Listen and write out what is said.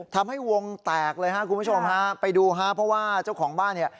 ทำให้วงแตกเลยครับคุณผู้ชมฮะไปดูฮะเพราะว่าเจ้าของบ้านเนี่ย